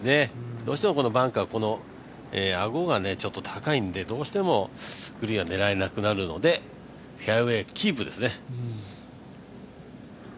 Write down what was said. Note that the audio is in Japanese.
どうしてもこのバンカーはあごが高いので、ちょっと高いんでどうしてもグリーンは狙えなくなるのでフェアウェーキープですね。